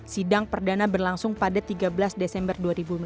sidang perdana berlangsung pada tiga belas desember dua ribu enam belas